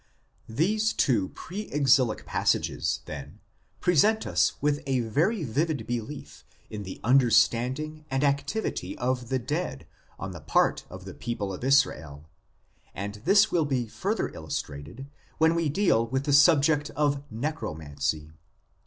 These two pre exilic passages, then, present us with a very vivid belief in the understanding and activity of the dead on the part of the people of Israel ; and this will be further illustrated when we deal with the subject of Necro mancy.